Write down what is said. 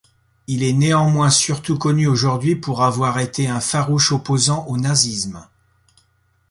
Il est néanmoins surtout connu aujourd'hui pour avoir été un farouche opposant au nazisme.